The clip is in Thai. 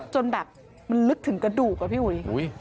จนแบบมันลึกถึงกระดูกอะพี่อุ๋ย